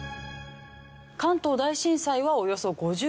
関東大震災はおよそ５５億円。